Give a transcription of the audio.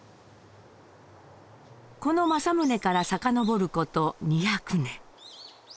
この政宗から遡る事２００年。